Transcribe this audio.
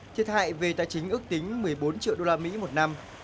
thiệt hại về tài chính ước tính một mươi bốn triệu usd một năm